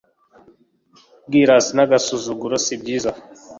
ubwirasi n'agasuzuguro sibyiza